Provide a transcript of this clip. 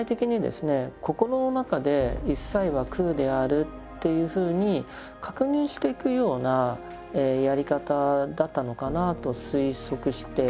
心の中で「いっさいは空である」というふうに確認していくようなやり方だったのかなと推測しています。